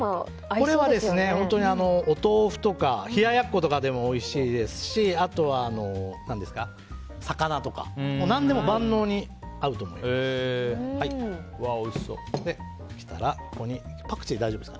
これはお豆腐とか冷ややっことかでもおいしいですしあとは、魚とか何でも万能に合うと思います。